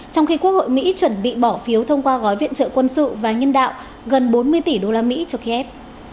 trong khi quốc hội mỹ chuẩn bị bỏ phiếu thông qua gói viện trợ quân sự và nhân đạo gần bốn mươi tỷ usd cho kiev